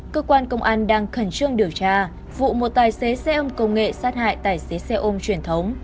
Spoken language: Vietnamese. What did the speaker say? cơ quan công an đang khẩn trương điều tra vụ một tài xế xe ôm công nghệ sát hại tài xế xe ôm truyền thống